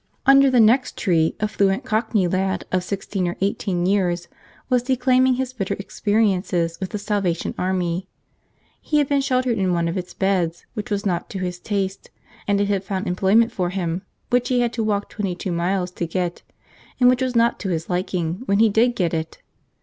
Under the next tree a fluent Cockney lad of sixteen or eighteen years was declaiming his bitter experiences with the Salvation Army. He had been sheltered in one of its beds which was not to his taste, and it had found employment for him which he had to walk twenty two miles to get, and which was not to his liking when he did get it.